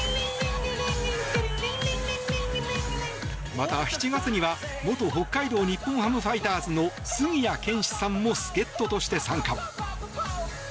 また７月には元北海道日本ハムファイターズの杉谷拳士さんも助っ人として参加。